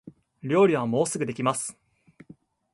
料理はもうすぐできます